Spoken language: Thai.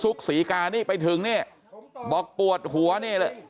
เสพเมถุนซุกษีกานี่ไปถึงเนี่ยบอกปวดหัวเนี่ย